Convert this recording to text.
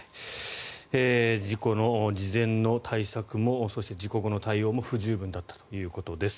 事故の事前の対策もそして、事故後の対応も不十分だったということです。